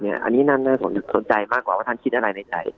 อันนี้น่าสนใจกว่าท่านคิดอะไรในใจ